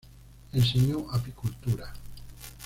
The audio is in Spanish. Enseñó apicultura.